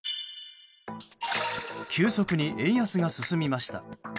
急速に円安が進みました。